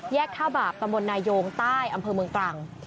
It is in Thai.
แยกท่าบาปประมวลนายโยงใต้อำเภอเมืองกลาง